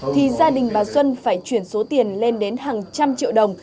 thì gia đình bà xuân phải chuyển số tiền lên đến hàng trăm triệu đồng